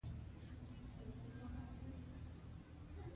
د تېرو حکومتونو کارونه باید وڅیړل شي.